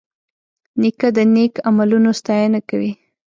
نیکه د نیک عملونو ستاینه کوي.